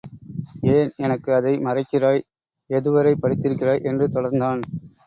ஏன் எனக்கு அதை மறைக்கிறாய்? எதுவரை படித்திருக்கிறாய்? என்று தொடர்ந்தான்.